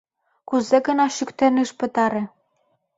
Кузе гына шӱктен ыш пытаре.